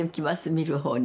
見る方に。